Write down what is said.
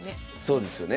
そうですよね。